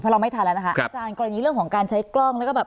เราไม่ทันแล้วนะคะอาจารย์กรณีเรื่องของการใช้กล้องแล้วก็แบบ